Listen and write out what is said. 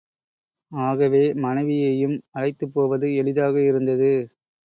ஆகவே, மனைவியையும் அழைத்துப் போவது எளிதாக இருந்தது.